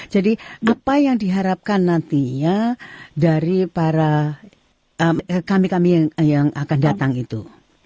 jadi apa yang diharapkan nantinya dari para kami kami yang akan datang itu